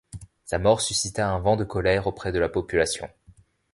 Sa mort suscita un vent de colère auprès de la population.